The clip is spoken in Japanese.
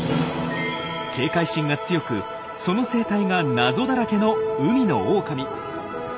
警戒心が強くその生態が謎だらけの海のオオカミ。